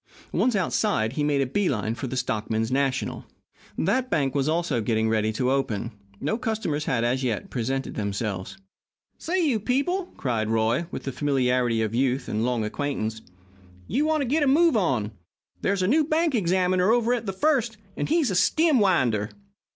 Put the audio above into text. Once outside, he made a bee line for the Stockmen's National. That bank was also getting ready to open. No customers had, as yet, presented themselves. "Say, you people!" cried Roy, with the familiarity of youth and long acquaintance, "you want to get a move on you. There's a new bank examiner over at the First, and he's a stem winder.